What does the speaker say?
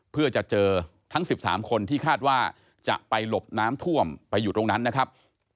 เพื่อจะเจอทั้ง๑๓คนที่คาดว่าจะไปหลบน้ำท่วมไปอยู่ตรงนั้นนะครับ